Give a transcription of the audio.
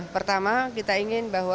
pertama kita ingin bahwa